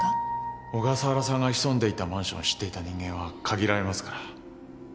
小笠原さんが潜んでいたマンションを知っていた人間は限られますから。